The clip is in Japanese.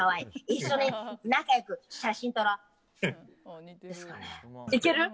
一緒に仲良く写真撮ろ！ですかね。